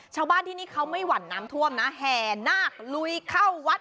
ชาวบ้านที่นี่เขาไม่หวั่นน้ำท่วมนะแห่นาคลุยเข้าวัด